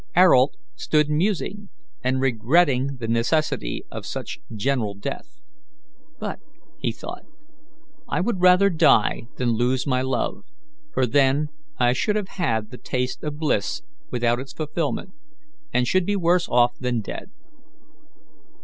Ayrault stood musing and regretting the necessity of such general death. "But," he thought, "I would rather die than lose my love; for then I should have had the taste of bliss without its fulfilment, and should be worse off than dead.